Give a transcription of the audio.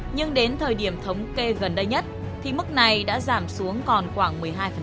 nhưng đến thời điểm thống kê gần đây nhất thì mức này đã giảm xuống còn khoảng một mươi hai